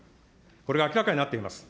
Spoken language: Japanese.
これは明らかになっています。